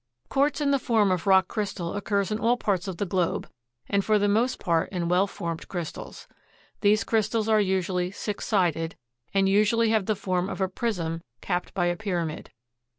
Quartz in the form of rock crystal occurs in all parts of the globe, and for the most part in well formed crystals. These crystals are usually six sided, and usually have the form of a prism capped by a pyramid.